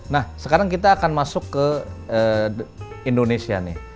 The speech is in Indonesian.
nah sekarang kita akan masuk ke indonesia nih